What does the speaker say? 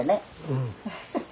うん。